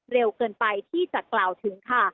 เร็วเกินไปที่จะกล่าวถึงค่ะ